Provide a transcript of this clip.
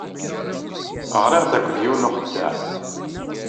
Ɣliɣ-d akked yiwen n uxeddaɛ.